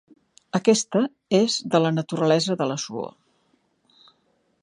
Aquesta és de la naturalesa de la suor.